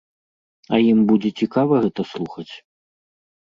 А ім будзе цікава гэта слухаць?